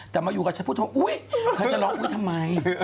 แต่มาอยู่กับชะพุทธอุ๊ยชะลองทำไม